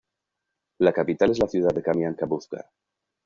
La capital es la ciudad de Kamianka-Buzka.